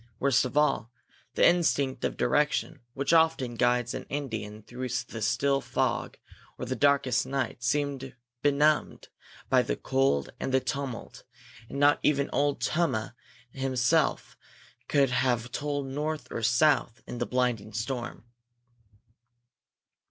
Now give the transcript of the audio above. Worst of all, the instinct of direction, which often guides an Indian through the still fog or the darkest night, seemed benumbed by the cold and the tumult; and not even Old Tomah himself could have told north or south in the blinding storm.